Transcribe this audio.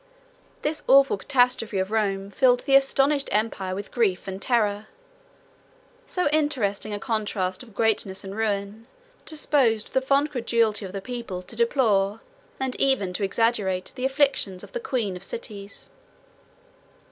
114 This awful catastrophe of Rome filled the astonished empire with grief and terror. So interesting a contrast of greatness and ruin, disposed the fond credulity of the people to deplore, and even to exaggerate, the afflictions of the queen of cities.